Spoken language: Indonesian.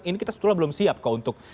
ini kita sebetulnya belum siap kok untuk